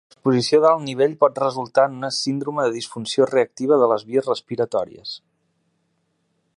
L'exposició d'alt nivell pot resultar en un síndrome de disfunció reactiva de les vies respiratòries.